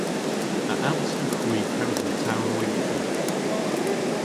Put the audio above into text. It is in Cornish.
A allsewgh hwi kewsel tamm moy lent?